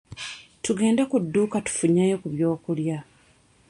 Tugende ku dduuka tufuneyo ku byokulya.